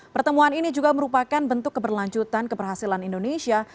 pertemuan ini juga merupakan bentuk keberlanjutan keberhasilan indonesia